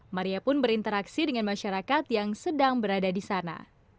maria pun berinteraksi dengan masyarakat yang sedang berada di sana